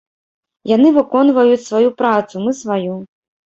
Яны выконваюць сваю працу, мы сваю.